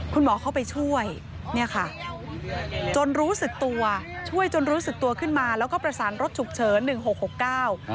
เข้าไปช่วยเนี่ยค่ะจนรู้สึกตัวช่วยจนรู้สึกตัวขึ้นมาแล้วก็ประสานรถฉุกเฉินหนึ่งหกหกเก้า